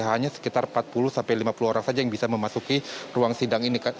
hanya sekitar empat puluh sampai lima puluh orang saja yang bisa memasuki ruang sidang ini